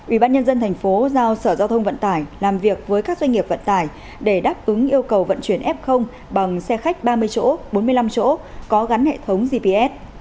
ubnd tp giao sở giao thông vận tải làm việc với các doanh nghiệp vận tải để đáp ứng yêu cầu vận chuyển f bằng xe khách ba mươi chỗ bốn mươi năm chỗ có gắn hệ thống gps